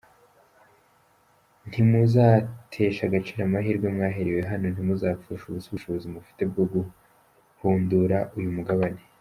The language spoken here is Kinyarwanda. Ntimuzateshe agaciro amahirwe mwaherewe hano, ntimuzapfushe ubusa ubushobozi mufite bwo guhundura uyu mugabane.